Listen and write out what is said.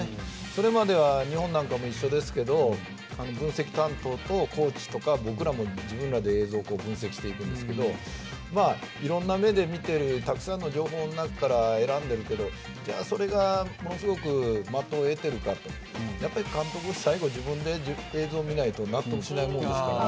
それまでは、日本も一緒ですが分析担当と、コーチとか僕らも自分らで映像を分析していくんですけどいろいろな目で見てたくさんの情報の中から選んでいるけどじゃあ、それがものすごく的を得ているかというと最後は自分の目で見ないと納得しないものですから。